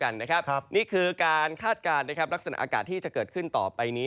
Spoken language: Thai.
นี่คือการคาดการณ์นะครับลักษณะอากาศที่จะเกิดขึ้นต่อไปนี้